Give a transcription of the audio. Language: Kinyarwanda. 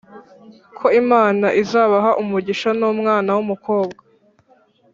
ko imana izabaha umugisha numwana wumukobwa,